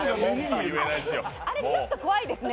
あれ、ちょっと怖いですね。